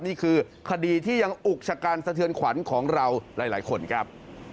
นี่คือคดีที่ยังอุกชะกันสะเทือนขวัญของเราหลายคนครับ